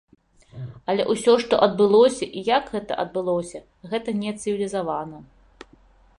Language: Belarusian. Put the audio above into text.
Але ўсё, што адбылося і як гэта адбылося,— гэта не цывілізавана.